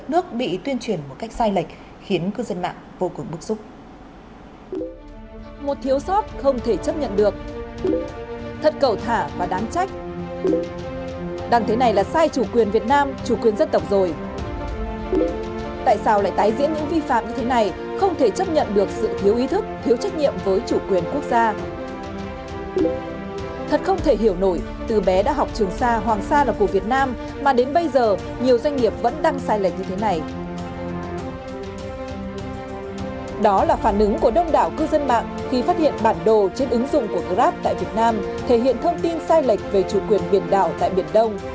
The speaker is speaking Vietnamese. đó là phản ứng của đông đảo cư dân mạng khi phát hiện bản đồ trên ứng dụng của grab tại việt nam thể hiện thông tin sai lệch về chủ quyền biển đảo tại biển đông